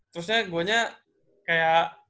terusnya gue nya kayak